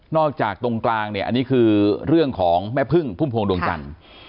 อกจากตรงกลางเนี่ยอันนี้คือเรื่องของแม่พึ่งพุ่มพวงดวงจันทร์